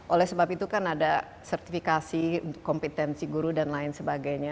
oleh sebab itu kan ada sertifikasi kompetensi guru dan lain sebagainya